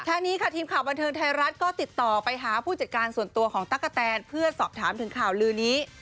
นี้ค่ะทีมข่าวบันเทิงไทยรัฐก็ติดต่อไปหาผู้จัดการส่วนตัวของตั๊กกะแตนเพื่อสอบถามถึงข่าวลือนี้